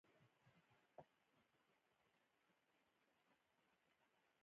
بادي انرژي د افغانستان د کلتوری میراث یوه مهمه برخه ده.